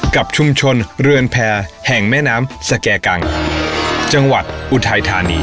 กับชุมชนเรือนแพรแห่งแม่น้ำสแก่กังจังหวัดอุทัยธานี